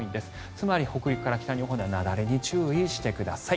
つまり北陸から北日本では雪崩に注意してください。